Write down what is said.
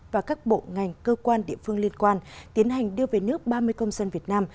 và các bộ ngành cơ quan địa phương liên quan tiến hành đưa về nước ba mươi công dân việt nam